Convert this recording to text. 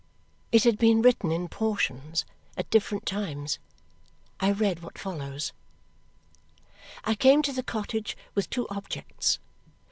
It had been written in portions, at different times. I read what follows: I came to the cottage with two objects.